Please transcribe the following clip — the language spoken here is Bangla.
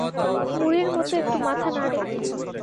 মুড়ের মতো একটু মাথা নাড়ে।